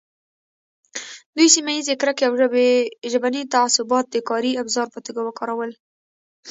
دوی سیمه ییزې کرکې او ژبني تعصبات د کاري ابزار په توګه وکارول.